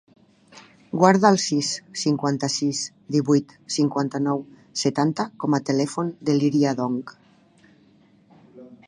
Guarda el sis, cinquanta-sis, divuit, cinquanta-nou, setanta com a telèfon de l'Iria Dong.